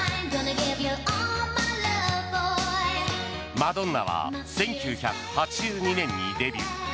マドンナは１９８２年にデビュー。